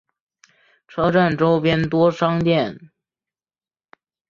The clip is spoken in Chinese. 车站周边多商店。